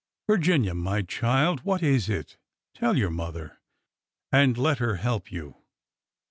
'' Virginia ! my child— what is it ? tell your mother, and let her help you